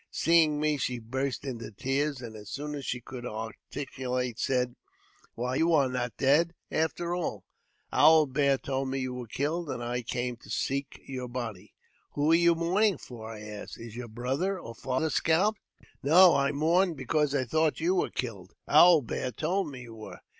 Seeing me, she burst into tears, and as soon as she could articulate, said, " Why, you are not dead, after all ! Owi Bear told me you were killed, and I came to seek your body." " Who are you mourning for? " I asked ; "is your brother or father scalped ?" "No; I mourned because I thought you were killed; Owl Bear told me you were."